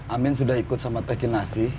amin sudah ikut sama teh kinasi